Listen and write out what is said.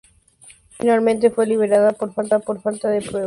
Finalmente fue liberada por falta de pruebas.